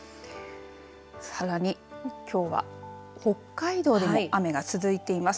さらに、きょうは北海道にも雨が続いています。